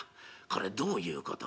これどういうことか。